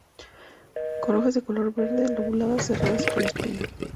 Con hojas de color verde, lobuladas, serradas y con espinas.